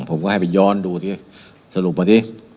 ผมก็ให้ไปย้อนดูสรุปด้วย